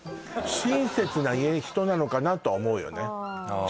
親切な家人なのかなとは思うよねああ